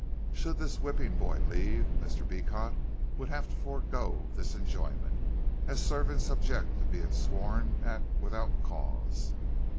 Should this whipping boy leave, Mr. Beecot would have to forego this enjoyment, as servants object to being sworn at without cause.